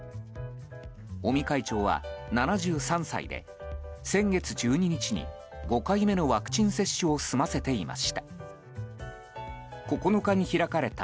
尾身会長は７３歳で先月１２日に５回目のワクチン接種を済ませていました。